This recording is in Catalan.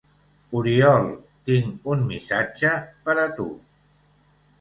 Oriol, tinc un missatge per a tu!